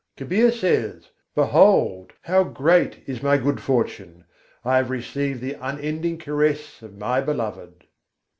Kabîr says: "Behold! how great is my good fortune! I have received the unending caress of my Beloved!"